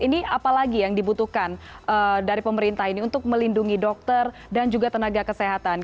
ini apalagi yang dibutuhkan dari pemerintah ini untuk melindungi dokter dan juga tenaga kesehatan